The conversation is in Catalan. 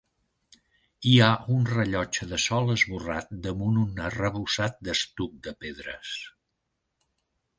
Hi ha un rellotge de sol esborrat damunt un arrebossat d'estuc de pedres.